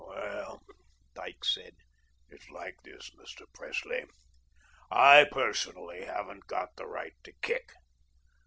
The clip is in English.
"Well," Dyke said, "it's like this, Mr. Presley. I, personally, haven't got the right to kick.